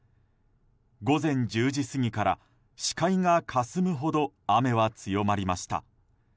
午前１０時過ぎから視界がかすむほど雨は強まりました。